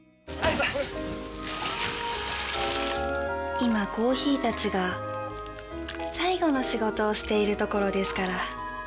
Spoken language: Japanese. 「しっ今コーヒーたちが最後の仕事をしているところですから」